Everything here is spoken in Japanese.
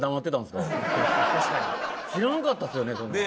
知らなかったですよね。